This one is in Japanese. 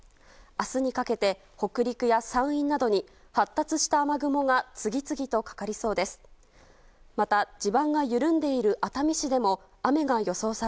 明日にかけて、北陸や山陰などに発達した雨雲が次々とかかりそうです。